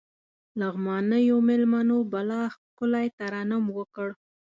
لغمانيو مېلمنو بلا ښکلی ترنم وکړ.